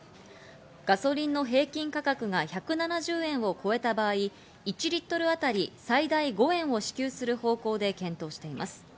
ガソリンの平均価格が１７０円を超えた場合、１リットルあたり最大５円を支給する方向で検討しています。